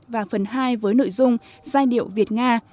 và phần hai với nội dung giai điệu việt nga